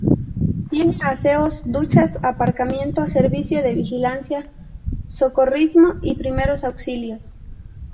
Tiene aseos, duchas, aparcamiento, servicio de vigilancia, socorrismo y primeros auxilios.